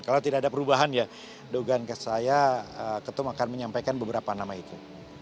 kalau tidak ada perubahan ya dugaan ke saya ketum akan menyampaikan beberapa nama itu